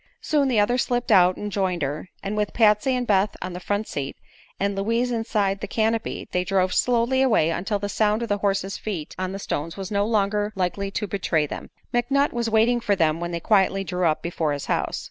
Soon the others slipped out and joined her, and with Patsy and Beth on the front seat and Louise Inside the canopy they drove slowly away until the sound of the horse's feet on the stones was no longer likely to betray them. McNutt was waiting for them when they quietly drew up before his house.